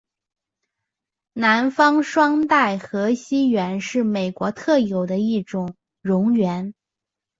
南方双带河溪螈是美国特有的一种蝾螈。